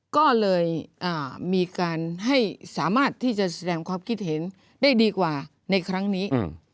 ก็เลยมีการให้สามารถที่จะแสดงความคิดเห็นได้ดีกว่าในครั้งนี้